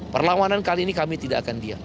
perlawanan kali ini kami tidak akan diam